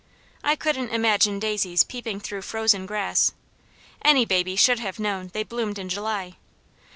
I couldn't imagine daisies peeping through frozen grass. Any baby should have known they bloomed in July.